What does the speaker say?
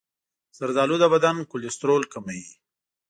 زردآلو د بدن کلسترول کموي.